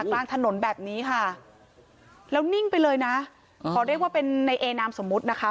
กลางถนนแบบนี้ค่ะแล้วนิ่งไปเลยนะขอเรียกว่าเป็นในเอนามสมมุตินะคะ